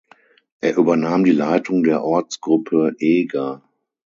Er übernahm die Leitung der Ortsgruppe Eger.